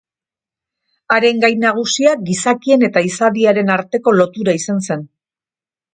Haren gai nagusia gizakien eta izadiaren arteko lotura izan zen.